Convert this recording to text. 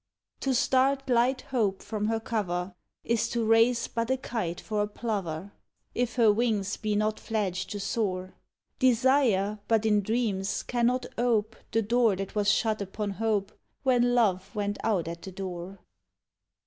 To start light hope from her cover Is to raise but a kite for a plover If her wings be not fledged to soar. Desire, but in dreams, cannot ope The door that was shut upon hope When love went out at the door.